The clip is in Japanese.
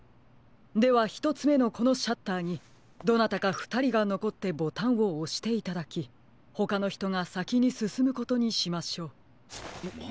ではひとつめのこのシャッターにどなたかふたりがのこってボタンをおしていただきほかのひとがさきにすすむことにしましょう。